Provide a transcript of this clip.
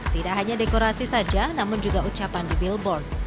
tidak hanya dekorasi saja namun juga ucapan di billboard